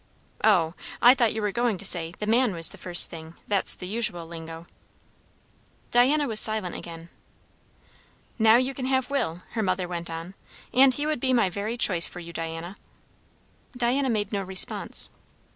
"Oh! I thought you were going to say the man was the first thing. That's the usual lingo." Diana was silent again. "Now you can have Will," her mother went on; "and he would be my very choice for you, Diana." Diana made no response.